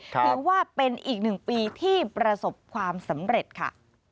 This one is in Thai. ถือว่าเป็นอีกหนึ่งปีที่ประสบความสำเร็จค่ะ